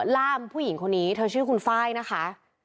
ล่ามผู้หญิงคนนี้เธอชื่อคุณไฟล์นะคะ